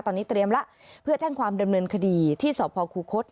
ตอนนี้เตรียมแล้วเพื่อแจ้งความดำเนินคดีที่สพคูคศ